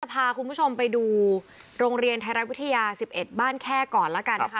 พาคุณผู้ชมไปดูโรงเรียนไทยรัฐวิทยา๑๑บ้านแค่ก่อนแล้วกันนะคะ